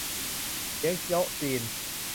เลี้ยงโต๊ะจีน